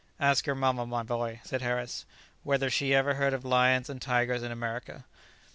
"Ask your mamma, my boy," said Harris, "whether she ever heard of lions and tigers in America?"